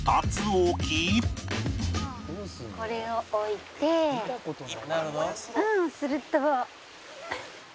これを置いてすると。